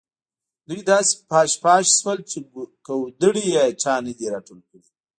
دوی داسې پاش پاش شول چې کودړي یې چا نه دي راټول کړي.